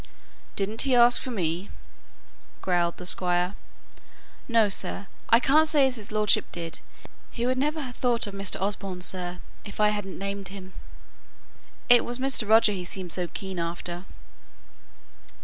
"Didn't he ask for me?" growled the Squire. "No, sir; I can't say as his lordship did. He would never have thought of Mr. Osborne, sir, if I hadn't named him. It was Mr. Roger he seemed so keen after."